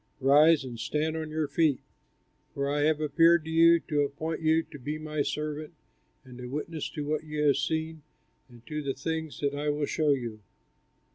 Rise and stand on your feet, for I have appeared to you to appoint you to be my servant and a witness to what you have seen and to the things that I will show you.